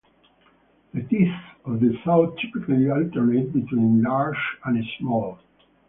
The teeth of the saw typically alternate between large and small.